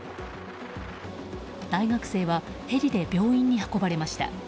大学生はヘリで病院に運ばれました。